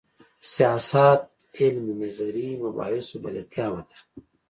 سیاست علم نظري مباحثو بلدتیا ولري.